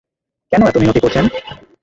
কেন এত মিনতি করছেন?